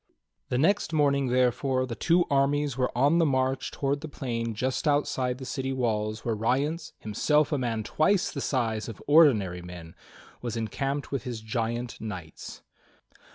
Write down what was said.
The next morning, therefore, the two armies were on the march towards the plain just outside the city walls where Rience, himself a man twice the size of ordinary men, was encamped with his giant knights.